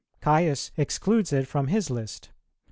Caius excludes it from his list.